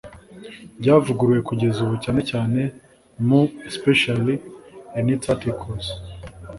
ryavuguruwe kugeza ubu cyane cyane mu especially in its articles